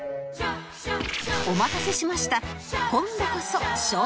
お待たせしました